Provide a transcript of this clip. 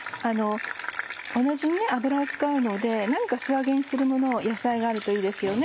同じ油を使うので何か素揚げにする野菜があるといいですよね。